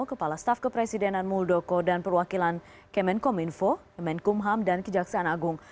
kepala staf kepresidenan muldoko dan perwakilan kemenkominfo kemenkumham dan kejaksaan agung